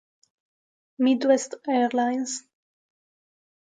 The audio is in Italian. Midwest Airlines